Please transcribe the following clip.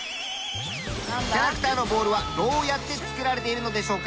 キャラクターのボールはどうやって作られているのでしょうか？